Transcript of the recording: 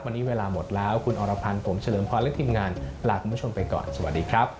วันนี้เวลาหมดแล้วคุณอรพันธ์ผมเฉลิมพรและทีมงานลาคุณผู้ชมไปก่อนสวัสดีครับ